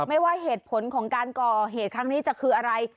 ว่าเหตุผลของการก่อเหตุครั้งนี้จะคืออะไร